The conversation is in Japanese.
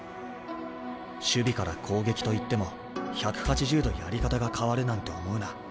「守備から攻撃と言っても１８０度やり方が変わるなんて思うな。